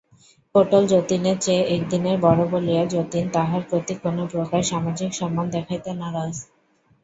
পটল যতীনের চেয়ে একদিনের বড়ো বলিয়া যতীন তাহার প্রতি কোনোপ্রকার সামাজিক সম্মান দেখাইতে নারাজ।